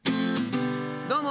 どうも。